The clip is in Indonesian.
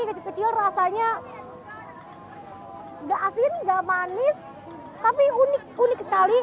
kecil kecil rasanya enggak asin enggak manis tapi unik sekali